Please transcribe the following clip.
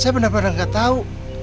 saya bener bener gak tau